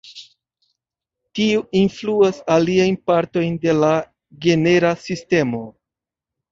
Tio influas aliajn partojn de la genera sistemo.